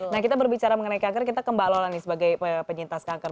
nah kita berbicara mengenai kanker kita ke mbak lola nih sebagai penyintas kanker